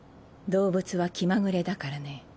動物は気まぐれだからね。